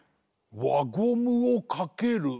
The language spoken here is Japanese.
わゴムをかける。